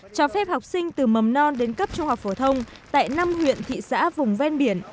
cho phép học sinh từ mầm non đến cấp trung học phổ thông tại năm huyện thị xã vùng ven biển